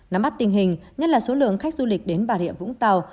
nắm mắt tình hình nhất là số lượng khách du lịch đến bà rịa vũng tàu